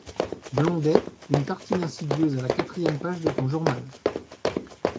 Blondet, une tartine insidieuse à la quatrième page de ton journal!